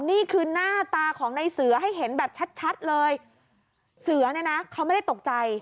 นี่คือหน้าตาของในเสือให้เห็นแบบชัดชัดเลยเสือเนี่ยนะเขาไม่ได้ตกใจ